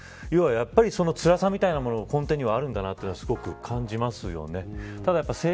やっぱりつらさみたいなもの根底にはあるんだなとすごく感じますよね。